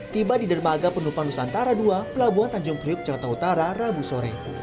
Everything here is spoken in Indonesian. tiba di dermaga penumpang nusantara ii pelabuhan tanjung priuk jakarta utara rabu sore